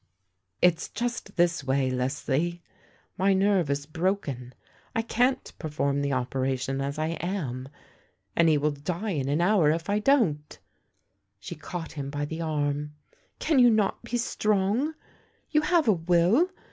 " It's just this way, Lesley : my nerve is broken ; I can't perform the operation as 1 am, and he will die in an hour if I don't." She caught him by the arm. " Can you not be strong? You have a will.